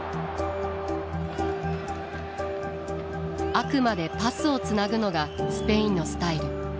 あくまでパスをつなぐのがスペインのスタイル。